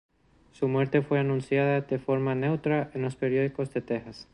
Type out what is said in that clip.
Su muerte fue anunciada de forma neutra en los periódicos de Texas.